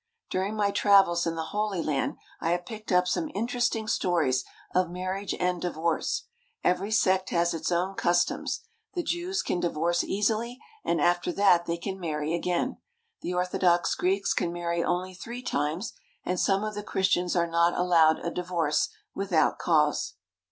During my travels in the Holy Land I have picked up some interesting stories of marriage and divorce. Every sect has its own customs. The Jews can divorce easily, and after that they can marry again. The orthodox Greeks can marry only three times, and some of the Christians are not allowed a divorce without cause.